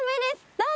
どうぞ！